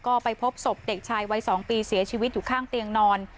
ก็ไปพบศพเด็กชายวัย๒ปีเสียชีวิตอยู่ข้างเตียงนอน